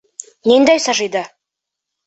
Ниндәй Сажидә?